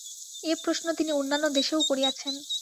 এ প্রশ্ন তিনি অন্যান্য দেশেও করিয়াছেন।